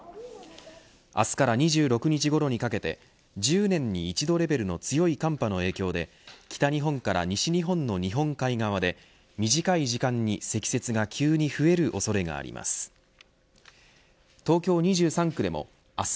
明日から２６日ごろにかけて１０年に一度レベルの強い寒波の影響で北日本から西日本の日本海側で短い時間に積雪が急に増える恐れがあります。